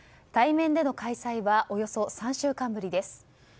対面での開催はおよそ３週間ぶりです。